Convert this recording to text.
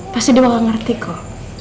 pasti dia bakal ngerti kok